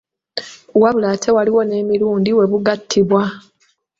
Wabula ate waliwo n’emirundi we bugattibwa.